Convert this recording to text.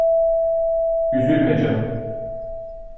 Üzülme canım!